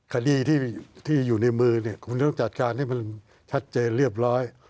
คดีที่อยู่ในมือเนี่ยคุณต้องจัดการให้มันชัดเจนเรียบร้อย